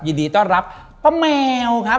ยินดีต้อนรับป้าแมวครับ